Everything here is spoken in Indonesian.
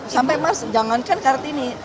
sampai mas jangankan kartini